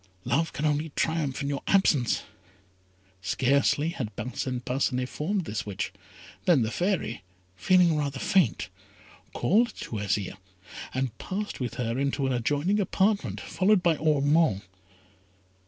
Love can only triumph in your absence." Scarcely had Parcin Parcinet formed this wish, than the Fairy, feeling rather faint, called to Azire, and passed with her into an adjoining apartment, followed by Ormond.